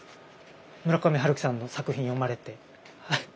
村上春樹さんの作品読まれて。